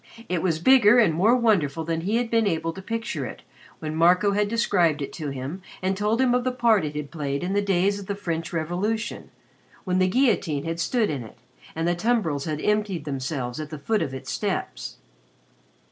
It was bigger and more wonderful than he had been able to picture it when Marco had described it to him and told him of the part it had played in the days of the French Revolution when the guillotine had stood in it and the tumbrils had emptied themselves at the foot of its steps.